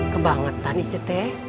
kebangetan isi teh